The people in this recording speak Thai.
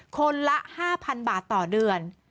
คนละ๕๐๐๐บาทต่อเดือน